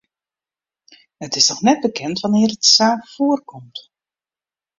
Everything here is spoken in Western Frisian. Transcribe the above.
It is noch net bekend wannear't de saak foarkomt.